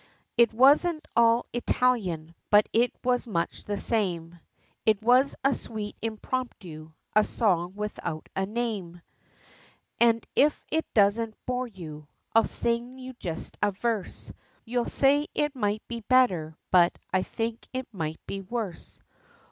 It wasn't all Italian, but it was much the same, It was a sweet impromptu, a song without a name, And if it doesn't bore you, I'll sing you just a verse, You'll say it might be better; but I think it might be worse.